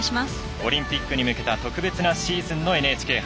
オリンピックにむけた特別なシーズンのＮＨＫ杯。